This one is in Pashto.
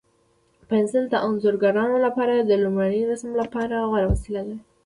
پنسل د انځورګرانو لپاره د لومړني رسم لپاره غوره وسیله ده.